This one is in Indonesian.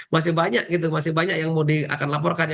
masih banyak masih banyak yang akan dilaporkan